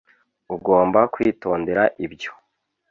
ugomba kwitondera ibyo